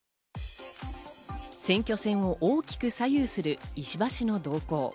選挙戦を大きく左右する石破氏の動向。